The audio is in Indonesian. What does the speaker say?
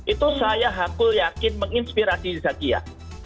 itu saya hakul yakin menginspirasi zakia